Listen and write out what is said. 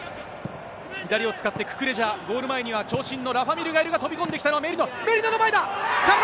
左を使ってククレジャ、ゴール前には長身のラファ・ミールがいるが、飛び込んできたのはメリノ。